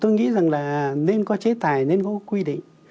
tôi nghĩ rằng là nên có chế tài nên có quy định